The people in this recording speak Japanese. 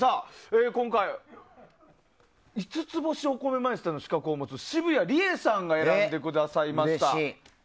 今回、五ツ星お米マイスターの資格を持つ澁谷梨絵さんが選んでくださいました。